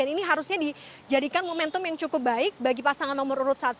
ini harusnya dijadikan momentum yang cukup baik bagi pasangan nomor urut satu